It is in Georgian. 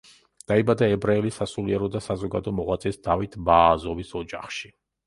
დაიბადა ებრაელი სასულიერო და საზოგადო მოღვაწის დავით ბააზოვის ოჯახში.